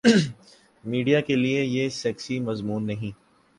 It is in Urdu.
میڈیا کیلئے یہ سیکسی مضمون نہیں۔